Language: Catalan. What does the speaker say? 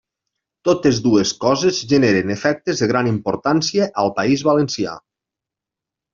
Totes dues coses generen efectes de gran importància al País Valencià.